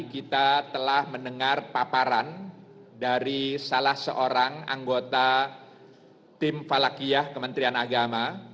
kita telah mendengar paparan dari salah seorang anggota tim falakiyah kementerian agama